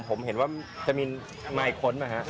ผมเห็นว่าจะมีมาอีกค้นป่ะฮะ